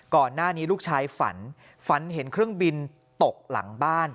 ก่อนหน้านี้ลูกชายฝันฝันเห็นเครื่องบินตกหลังบ้าน